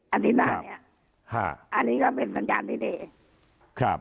อันนี้ได้ครับอันนี้ก็เป็นสัญญาณที่ดีครับ